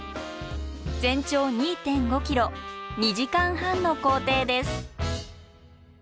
全長２．５ｋｍ２時間半の行程です。